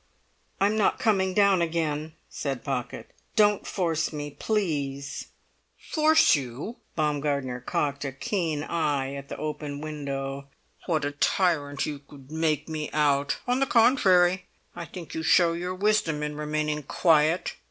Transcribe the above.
"I'm not coming down again," said Pocket. "Don't force me, please" "Force you?" Baumgartner cocked a keen eye at the open window. "What a tyrant you would make me out! On the contrary, I think you show your wisdom in remaining quiet.